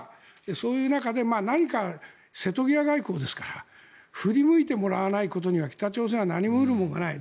そういう中で何か、瀬戸際外交ですから振り向いてもらわないことには北朝鮮は何も得るものがない。